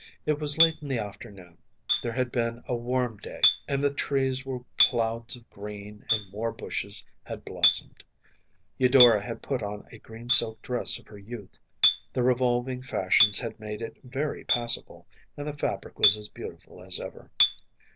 It was late in the afternoon. There had been a warm day, and the trees were clouds of green and more bushes had blossomed. Eudora had put on a green silk dress of her youth. The revolving fashions had made it very passable, and the fabric was as beautiful as ever.